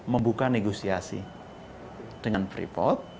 membuka negosiasi dengan pripot